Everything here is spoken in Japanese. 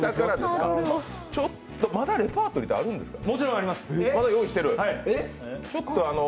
ちょっとまだレパートリーってあるんですか？